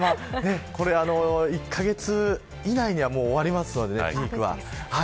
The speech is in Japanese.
１カ月以内には終わるのでピークは。